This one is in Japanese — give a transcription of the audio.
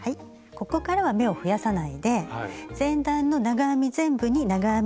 ここからは目を増やさないで前段の長編み全部に長編みを１目ずつ。